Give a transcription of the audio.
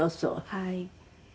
はい。